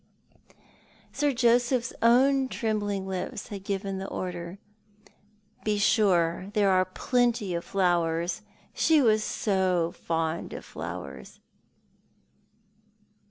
Sir Joseph's own trembling lips had given the order. "Be sure there are plenty of flowers. She was so fond of flowers."